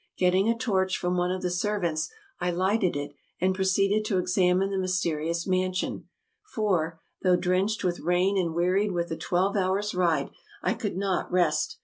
Getting a torch from one of the servants, I lighted it and proceeded to examine the mysterious mansion ; for, though drenched with rain and wearied with a twelve hours' ride, I could not rest.